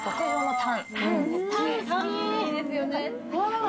タンいいですよね。